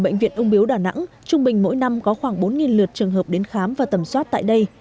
bệnh viện ung biếu đà nẵng trung bình mỗi năm có khoảng bốn lượt trường hợp đến khám và tầm soát tại đây